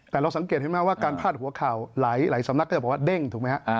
แต่เราสังเกตเห็นไหมว่าการพาดหัวข่าวหลายสำนักก็จะบอกว่าเด้งถูกไหมฮะ